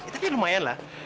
tapi lumayan lah